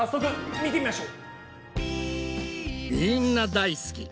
みんな大好き！